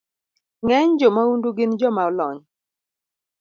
Ng’eny jomaundu gin joma olony